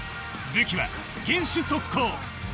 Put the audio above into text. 武器は堅守速攻。